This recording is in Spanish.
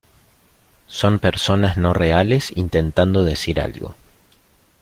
Son personas no reales intentando decir algo.